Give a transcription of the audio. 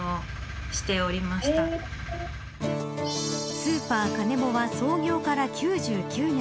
スーパーカネモは創業から９９年。